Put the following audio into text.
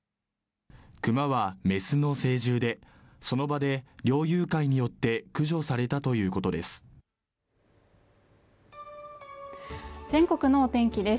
クマはメスの成獣でその場で猟友会によって駆除されたということです全国のお天気です